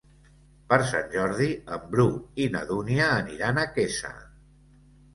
Per Sant Jordi en Bru i na Dúnia aniran a Quesa.